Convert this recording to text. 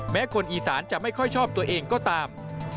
คนอีสานจะไม่ค่อยชอบตัวเองก็ตาม